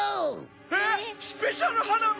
えっスペシャルはなび？